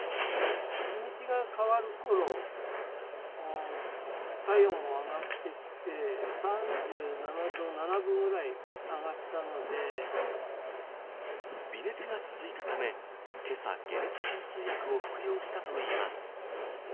日にちが変わるころ、体温が上がってきて、微熱が続いたため、けさ解熱鎮痛薬を服用したといいます。